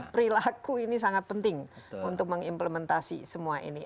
perilaku ini sangat penting untuk mengimplementasi semua ini